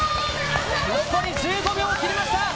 残り１５秒を切りました。